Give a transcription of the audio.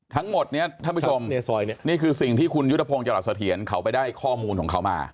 ทั้งหมดนี้ท่านผู้ชมนี่คือสิ่งที่คุณยุทธพงศ์จรัสเถียรเขาไปได้ข้อมูลของเขามา